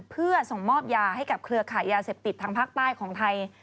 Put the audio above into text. เพื่อส่งมอบยาให้กับเครือขายยาเสพติดทางภาคใต้ของไทย